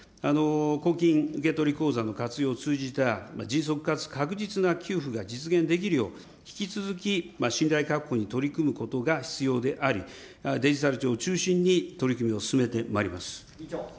公金受取口座の活用を通じた迅速かつ確実な給付が実現できるよう、引き続き信頼確保に取り組むことが必要であり、デジタル庁を中心に、取り組みを進めてまいります。